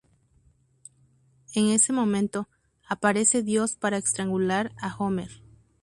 En ese momento, aparece Dios para estrangular a Homer.